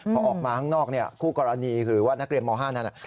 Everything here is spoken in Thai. พอออกมาข้างนอกคู่กรณีคือว่านักเรียนม๕นั้น